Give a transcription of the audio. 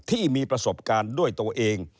ที่มีประสบการณ์ด้วยตัวเอง